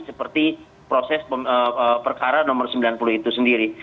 seperti proses perkara nomor sembilan puluh itu sendiri